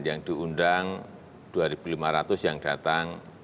yang diundang dua lima ratus yang datang